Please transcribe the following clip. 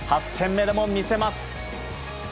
８戦目でも魅せます。